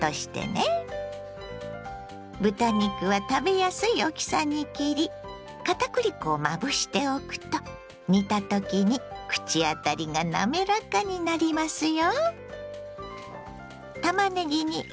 豚肉は食べやすい大きさに切り片栗粉をまぶしておくと煮たときに口当たりがなめらかになりますよ。